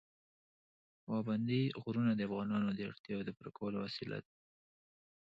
پابندی غرونه د افغانانو د اړتیاوو د پوره کولو وسیله ده.